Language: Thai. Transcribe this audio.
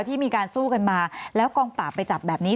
ที่มีการสู้กันมาแล้วกองปราบไปจับแบบนี้